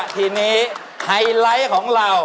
ทีนี้ไฮไลท์ของเรา